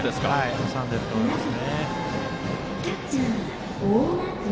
挟んでいると思います。